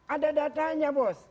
ada datanya bos